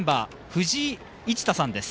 藤井一太さんです。